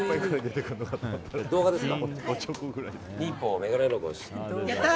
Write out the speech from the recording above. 動画ですか？